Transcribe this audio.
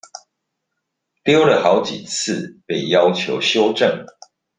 丟了好幾次被要求修正